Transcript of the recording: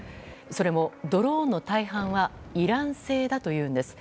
それもドローンの大半はイラン製だというんです。